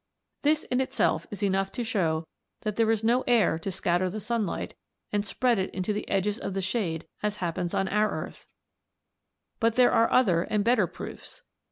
This in itself is enough to show that there is no air to scatter the sunlight and spread it into the edges of the shade as happens on our earth; but there are other and better proofs.